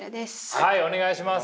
はいお願いします。